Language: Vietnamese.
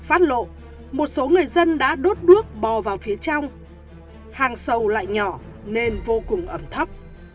phát lộ một số người dân đã đốt đuốc bò vào phía trong hàng sầu lại nhỏ nên vô cùng ẩm thấp